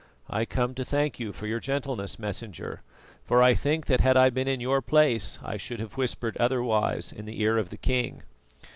I come to thank you for your gentleness, Messenger, for I think that had I been in your place I should have whispered otherwise in the ear of the king."